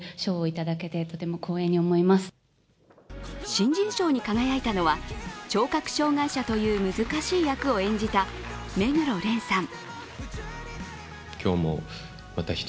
新人賞に輝いたのは聴覚障害者という難しい役を演じた目黒蓮さん。